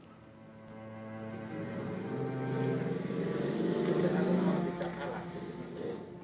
tidak ada yang mau